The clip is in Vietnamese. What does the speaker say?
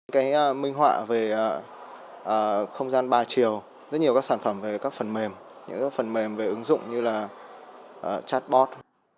cái minh họa về không gian ba chiều rất nhiều các sản phẩm về các phần mềm những phần mềm về ứng dụng như là chatbot